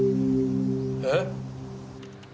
えっ！？